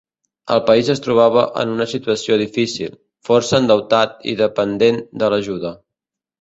El país es trobava en una situació difícil, força endeutat i dependent de l'ajuda.